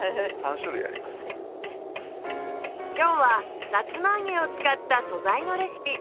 今日はさつまあげを使った「素材のレシピ」